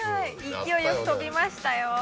勢いよく飛びましたよ。